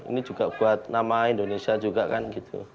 ini juga buat nama indonesia juga kan gitu